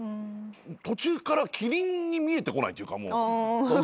途中からキリンに見えてこないというか。